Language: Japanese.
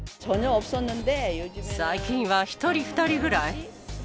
最近は１人、２人ぐらい。